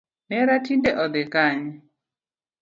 Nera tinde odhi Kanye?